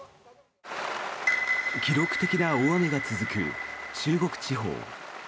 記録的な大雨が続く中国地方。